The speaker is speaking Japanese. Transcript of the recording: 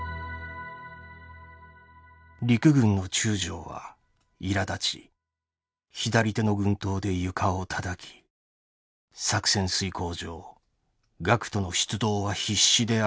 「陸軍の中将はいらだち左手の軍刀で床をたたき作戦遂行上学徒の出動は必至であると強調。